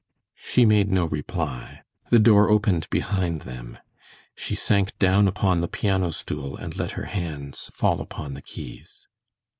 She made no reply. The door opened behind them. She sank down upon the piano stool and let her hands fall upon the keys.